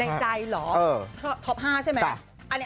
แรงใจเหรอท็อป๕ใช่ไหม